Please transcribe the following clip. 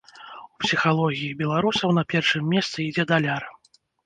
У псіхалогіі беларусаў на першым месцы ідзе даляр.